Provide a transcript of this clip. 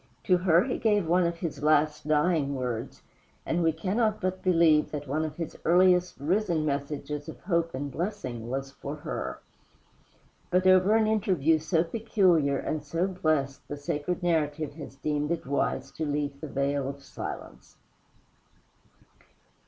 To her he gave one of his last dying words, and we cannot but believe that one of his earliest risen messages of hope and blessing was for her. But over an interview so peculiar and so blessed the sacred narrative has deemed it wise to leave the veil of silence.